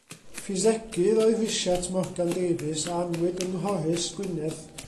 Ffisegydd oedd Rhisiart Morgan Davies a anwyd yng Nghorris, Gwynedd.